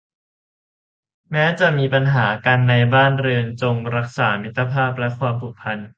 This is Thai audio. แม้จะมีปัญหากันในบ้านเรือนจงรักษามิตรภาพและความผูกพัน